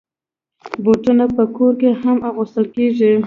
بوټونه په کور کې هم اغوستل کېږي.